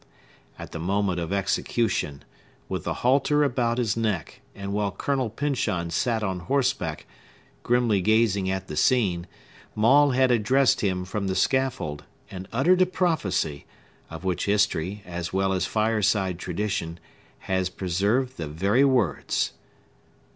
At the moment of execution—with the halter about his neck, and while Colonel Pyncheon sat on horseback, grimly gazing at the scene Maule had addressed him from the scaffold, and uttered a prophecy, of which history, as well as fireside tradition, has preserved the very words.